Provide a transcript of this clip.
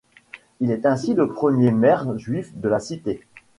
Il est ainsi le premier maire juif de la cité.